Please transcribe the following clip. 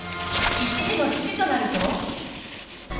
１児の父となると。